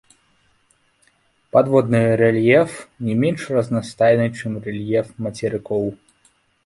Падводны рэльеф не менш разнастайны, чым рэльеф мацерыкоў.